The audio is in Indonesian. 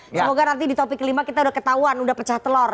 semoga nanti di topik kelima kita udah ketahuan udah pecah telur